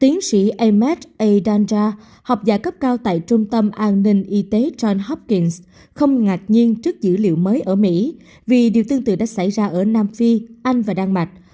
tiến sĩ emmed anza học giả cấp cao tại trung tâm an ninh y tế john hopkings không ngạc nhiên trước dữ liệu mới ở mỹ vì điều tương tự đã xảy ra ở nam phi anh và đan mạch